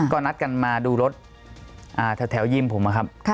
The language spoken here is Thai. ก็นัดกันมาดูรถแถวยิมผมนะครับ